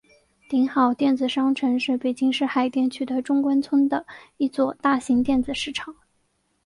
鼎好电子商城是北京市海淀区中关村的一座大型电子市场。